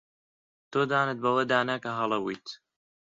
تۆ دانت بەوەدا نا کە هەڵە بوویت.